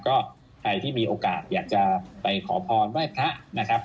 ก็ใครที่มีโอกาสอยากจะไปขอพรไหว้พระนะครับ